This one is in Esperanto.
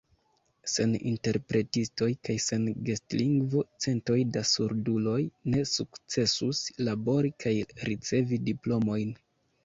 Sen interpretistoj kaj sen gestlingvo, centoj da surduloj ne sukcesus labori kaj ricevi diplomojn.